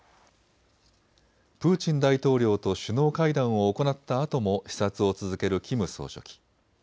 プーチン大統領と首脳会談を行ったあとも視察を続けるキム総書記。